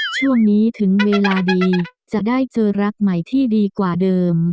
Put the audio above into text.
ช่วงนี้ถึงเวลาดีจะได้เจอรักใหม่ที่ดีกว่าเดิม